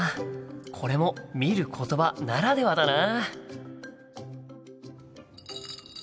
これも「見ることば」ならではだな。